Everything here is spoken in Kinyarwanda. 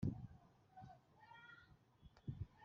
Igihano cy igifungo cy imyaka